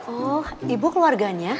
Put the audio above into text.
oh ibu keluarganya